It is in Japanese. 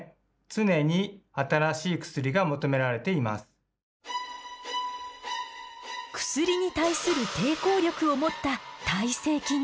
そのため薬に対する抵抗力を持った耐性菌ね。